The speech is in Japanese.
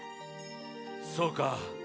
そうか。